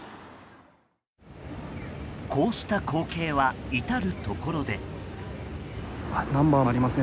こうした光景は至るところで。